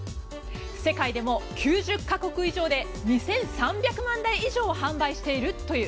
世界でも９０か国以上で２３００万台以上を販売しているという。